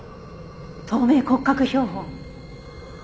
透明骨格標本。